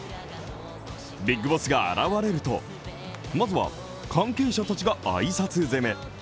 ビッグボスが現れると、まずは関係者たちが挨拶攻め。